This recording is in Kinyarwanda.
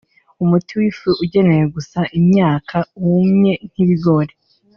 umuti w’ifu ugenewe gusa imyaka yumye nk’ibigori